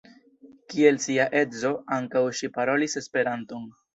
Kiel sia edzo, ankaŭ ŝi parolis Esperanton.